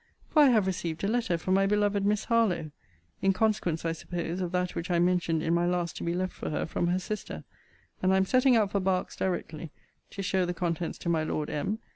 For I have received a letter from my beloved Miss HARLOWE; in consequence, I suppose, of that which I mentioned in my last to be left for her from her sister. And I am setting out for Berks directly, to show the contents to my Lord M.